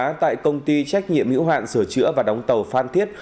đang tại công ty trách nhiệm hữu hạn sửa chữa và đóng tàu phan thiết